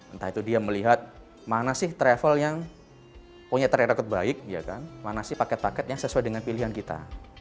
entah itu dia melihat mana sih travel yang punya track record baik mana sih paket paket yang sesuai dengan pilihan kita